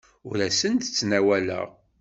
Ur asen-d-ttnawaleɣ.